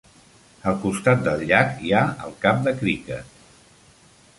Al costat del llac hi ha el camp de cricket.